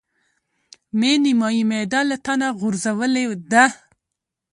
مې نيمایي معده له تنه غورځولې ده.